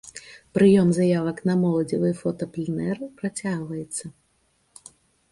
Прыём заявак на моладзевы фотапленэр працягваецца.